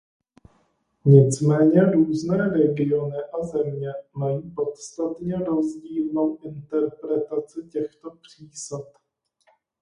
Nicméně různé regiony a země mají podstatně rozdílnou interpretaci těchto přísad.